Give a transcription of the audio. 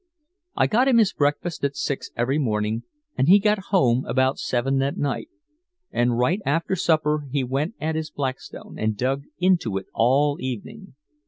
I got him his breakfast at six every morning and he got home about seven at night, and right after supper he went at his Blackstone and dug into it all evening.